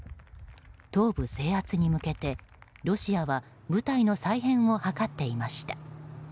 東部制圧に向けて、ロシアは部隊の再編を図っていました。